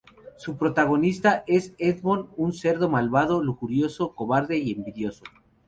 Su protagonista es Edmond, un cerdo malvado, lujurioso, cobarde y envidioso.